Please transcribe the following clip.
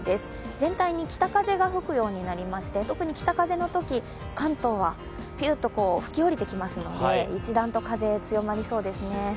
全体に北風が吹くようになりまして、特に北風のとき関東はピューと吹き下りてきますので一段と風、強まりそうですね。